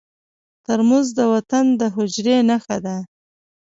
ترموز د وطن د حجرې نښه ده.